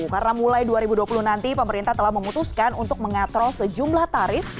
karena mulai dua ribu dua puluh nanti pemerintah telah memutuskan untuk mengatrol sejumlah tarif